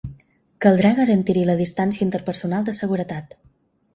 Caldrà garantir-hi la distància interpersonal de seguretat.